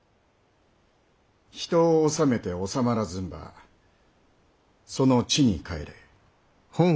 人を治めて治まらずんば其の智に反れ」。